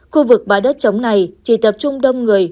khu vực bãi đất chống này chỉ tập trung đông người